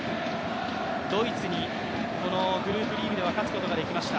ドイツにグループリーグでは勝つことができました。